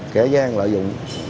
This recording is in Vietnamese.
kẻ gian lợi dụng